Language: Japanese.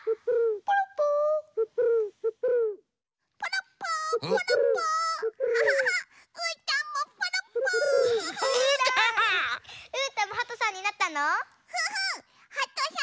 ポロッポー！